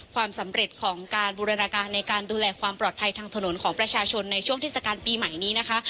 ความสำเร็จของการบูรณาการในการดูแลความปลอดภัยทางถนนของประชาชนในช่วงเทศกาลปีใหม่นี้นะคะ